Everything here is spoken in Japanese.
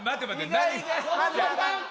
何？